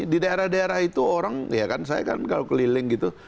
di daerah daerah itu orang ya kan saya kan kalau keliling gitu